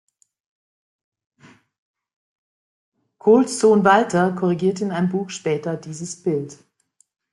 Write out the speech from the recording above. Kohls Sohn Walter korrigierte in einem Buch später dieses Bild.